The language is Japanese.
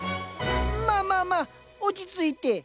まあまあまあ落ち着いて。